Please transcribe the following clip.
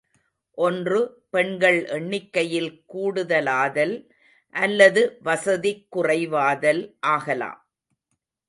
ஒன்று பெண்கள் எண்ணிக்கையில் கூடுதலாதல் அல்லது வசதிக்குறைவாதல் ஆகலாம்.